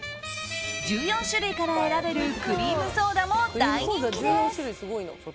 １４種類から選べるクリームソーダも大人気です。